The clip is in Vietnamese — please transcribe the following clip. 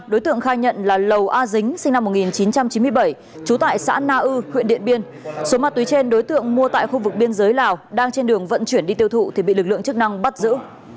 đang trên đường vận chuyển đi tiêu thụ thì bị lực lượng chức năng bắt giữ